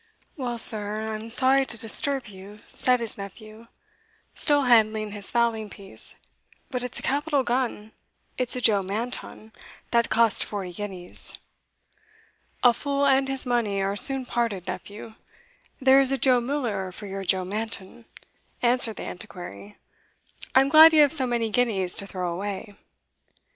"Well, sir, I'm sure I'm sorry to disturb you," said his nephew, still handling his fowling piece; "but it's a capital gun it's a Joe Manton, that cost forty guineas." "A fool and his money are soon parted, nephew there is a Joe Miller for your Joe Manton," answered the Antiquary; "I am glad you have so many guineas to throw away."